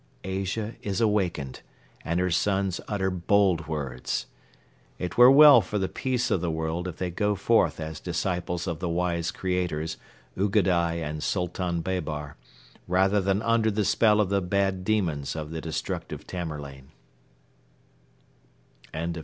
Asia is awakened and her sons utter bold words. It were well for the peace of the world if they go forth as disciples of the wise creators, Ugadai and Sultan Baber, rather than under the spell of the "bad demons" of the destructive Tamerlane.